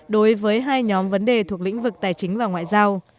đối với hai nhóm vấn đề thuộc lĩnh vực tài chính và ngoại giao